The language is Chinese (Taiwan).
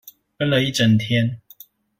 跟了一整天